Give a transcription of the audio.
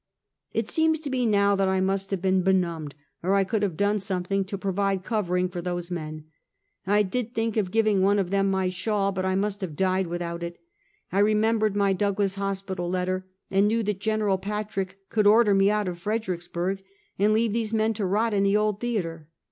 It seems to me now that I must have been be numbed, or I could have done something to provide covering for those men. I did think of giving one of them my shawl, but I must have died without it. I remembered my Douglas Hospital letter, and knew that Gen. Patrick could order me out of Fredericks burg, and leave these men to rot in the old theater.